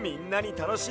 たのしみ！